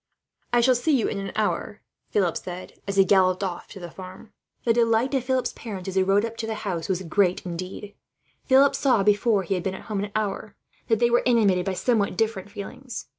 "Then I shall see you in an hour." And Philip galloped off to the farm. The delight of Philip's parents, as he rode up to the house, was great indeed. Philip saw, before he had been at home an hour, that they were animated by somewhat different feelings.